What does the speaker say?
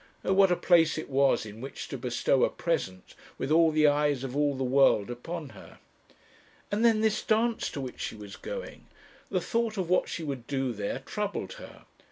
Oh! what a place it was in which to bestow a present, with all the eyes of all the world upon her! And then this dance to which she was going! The thought of what she would do there troubled her.